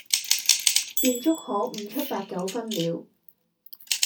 便足可悟出八九分了。